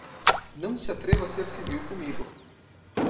Não se atreva a ser civil comigo!